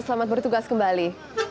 selamat bertugas kembali